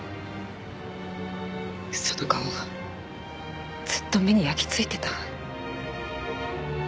その顔ずっと目に焼きついてた。